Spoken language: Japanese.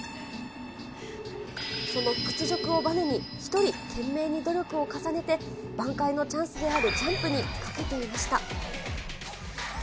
その屈辱をばねに一人、懸命に努力を重ねて、挽回のチャンスであるジャンプにかけていました。